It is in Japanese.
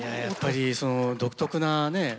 やっぱり独特なね